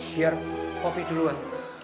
biar poppy duluan